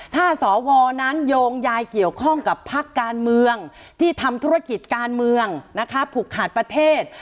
ถ้าสวนั้นโยงยายเกี่ยวข้องกับพักการเมืองที่ทำธุรกิจการเมืองนะคะผูกขาดประเทศ